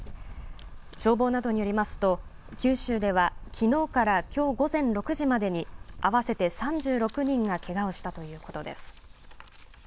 消防などによりますと、九州ではきのうからきょう午前６時までに、合わせて３６人がけがをしたということです。